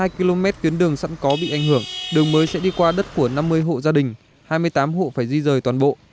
một mươi km tuyến đường sẵn có bị ảnh hưởng đường mới sẽ đi qua đất của năm mươi hộ gia đình hai mươi tám hộ phải di rời toàn bộ